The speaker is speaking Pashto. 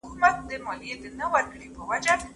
خورهار يې رسېدى تر گاونډيانو